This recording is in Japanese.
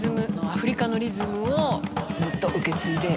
アフリカのリズムをずっと受け継いで